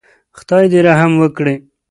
خدای دې رحم وکړي.